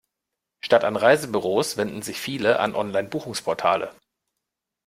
Statt an Reisebüros wenden sich viele an Online-Buchungsportale.